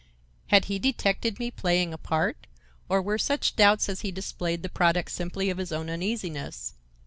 Had he detected me playing a part, or were such doubts as he displayed the product simply of his own uneasiness?